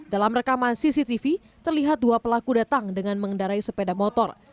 dalam rekaman cctv terlihat dua pelaku datang dengan mengendarai sepeda motor